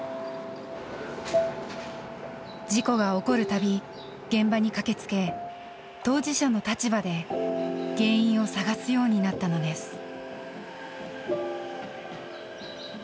事故が起こる度現場に駆けつけ当事者の立場で原因を探すようになったのです。